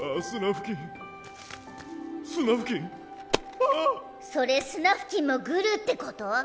それスナフキンもグルってこと？